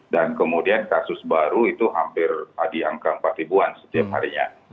dan kemudian kasus baru itu hampir ada angka empat an setiap harinya